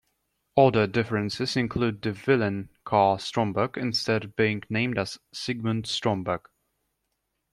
Other differences include the villain, Karl Stromberg, instead being named as Sigmund Stromberg.